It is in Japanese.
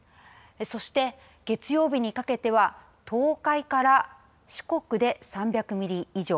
そして、月曜日にかけては東海から四国で３００ミリ以上。